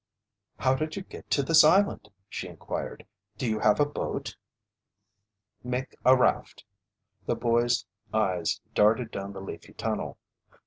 "How did you get to this island?" she inquired. "Do you have a boat?" "Make a raft." The boy's eyes darted down the leafy tunnel.